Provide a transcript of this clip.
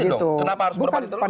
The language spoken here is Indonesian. kenapa harus berbanding lurus